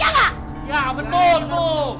ya betul tuh